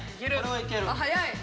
早い！